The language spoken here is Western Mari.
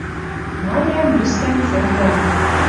Марья мӧскӓн сӹнзӓм